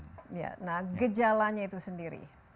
nah gejalanya itu sendiri